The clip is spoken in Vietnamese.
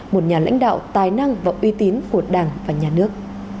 một nhà lãnh đạo tài năng và uy tín của đảng và nhà nước